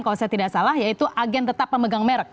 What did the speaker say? kalau saya tidak salah yaitu agen tetap pemegang merek